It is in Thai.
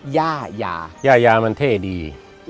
ยายายายามันเท่ดี